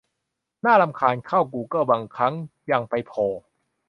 น่ารำคาญ เข้ากูเกิ้ลบางครั้งยังไปโผล่